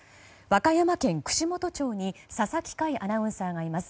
和歌山県串本町に佐々木快アナウンサーがいます。